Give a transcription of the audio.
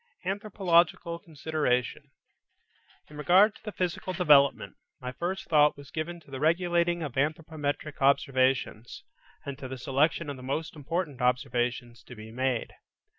ANTHROPOLOGICAL CONSIDERATION In regard to physical development, my first thought was given to the regulating of anthropometric observations, and to the selection of the most important observations to be made.